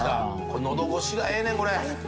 のどごしがええねん、これ。